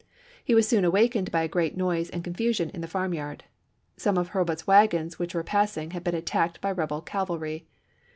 He was soon awa kened by a great noise and confusion in the farm yard. Some of Hurlbut's wagons which were pass ing had been attacked by rebel cavalry.